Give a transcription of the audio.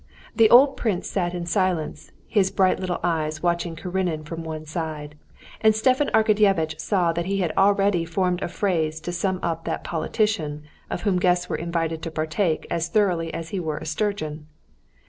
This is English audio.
The old prince sat in silence, his bright little eyes watching Karenin from one side, and Stepan Arkadyevitch saw that he had already formed a phrase to sum up that politician of whom guests were invited to partake as though he were a sturgeon.